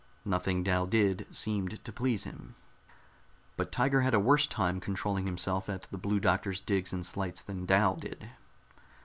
Nothing Dal did seemed to please him. But Tiger had a worse time controlling himself at the Blue Doctor's digs and slights than Dal did.